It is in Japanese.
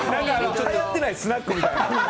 はやってないスナックみたいな。